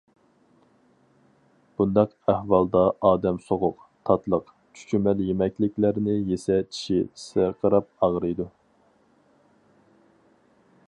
بۇنداق ئەھۋالدا ئادەم سوغۇق، تاتلىق، چۈچۈمەل يېمەكلىكلەرنى يېسە چىشى سىرقىراپ ئاغرىيدۇ.